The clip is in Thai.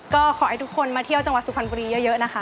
ก็ขอให้ทุกคนมาเที่ยวจังหวัดสุพรรณบุรีเยอะนะคะ